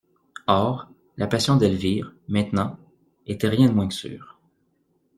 Or, la passion d'Elvire, maintenant, était rien moins que sûre.